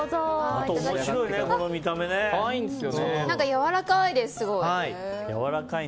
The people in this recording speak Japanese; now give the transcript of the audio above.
やわらかいです、すごい。